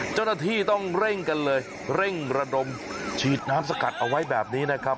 เจ้าหน้าที่ต้องเร่งกันเลยเร่งระดมฉีดน้ำสกัดเอาไว้แบบนี้นะครับ